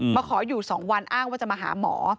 มาขออยู่๒วันอ้างว่าจะมาหาหมอ